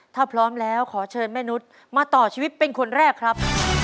ถ้าพร้อมแล้วขอเชิญแม่นุษย์มาต่อชีวิตเป็นคนแรกครับ